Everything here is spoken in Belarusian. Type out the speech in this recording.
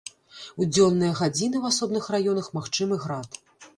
У дзённыя гадзіны ў асобных раёнах магчымы град.